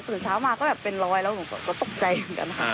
เช้ามาก็แบบเป็นร้อยแล้วหนูก็ตกใจเหมือนกันค่ะ